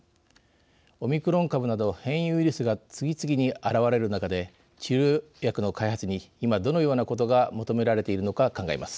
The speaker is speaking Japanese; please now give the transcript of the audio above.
オミクロン株など変異ウイルスが次々に現れる中で治療薬の開発に今、どのようなことが求められているのか、考えます。